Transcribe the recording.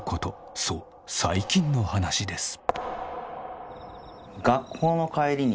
そう最近の話です。